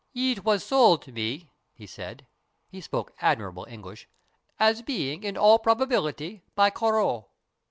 ' It was sold me,' he said he spoke admirable English 'as being, in all probability, by Corot.'